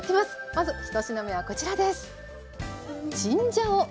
まず１品目はこちらです。